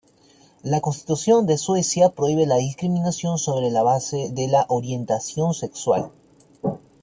La Constitución de Suecia prohíbe la discriminación sobre la base de la "orientación sexual".